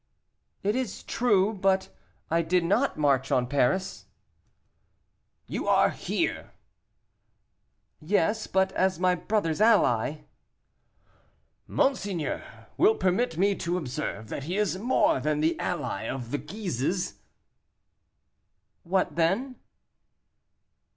"It is true, but I did not march on Paris." "You are here." "Yes; but as my brother's ally." "Monseigneur will permit me to observe that he is more than the ally of the Guises." "What then?"